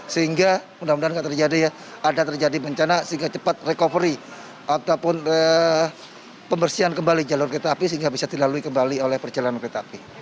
sehingga mudah mudahan tidak terjadi ya ada terjadi bencana sehingga cepat recovery ataupun pembersihan kembali jalur kereta api sehingga bisa dilalui kembali oleh perjalanan kereta api